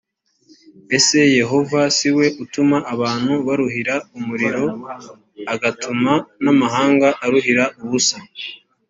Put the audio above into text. ese yehova si we utuma abantu baruhira umuriro agatuma n amahanga aruhira ubusa